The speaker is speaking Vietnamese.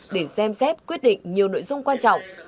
để xem xét quyết định nhiều nội dung quan trọng